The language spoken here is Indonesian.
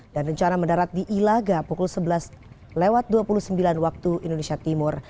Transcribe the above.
dan rencana mendarat di ilaga pukul sebelas dua puluh sembilan wib